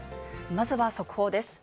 まずは速報です。